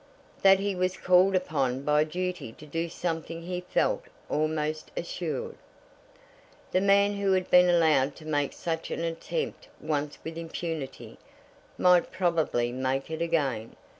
That he was called upon by duty to do something he felt almost assured. The man who had been allowed to make such an attempt once with impunity, might probably make it again.